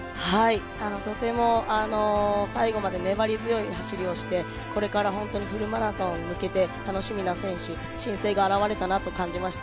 とても最後まで粘り強い走りをしてこれからフルマラソンに向けて楽しみな選手、新星が現れたなと感じました。